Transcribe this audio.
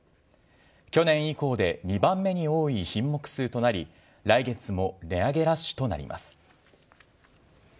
去年以降で２番目に多い品目数となり、来月も値上げラッシュとなります。